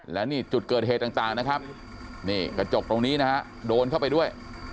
และนี่จุดเกิดเหตุต่างนะครับนี่กระจกตรงนี้นะฮะโดนเข้าไปด้วย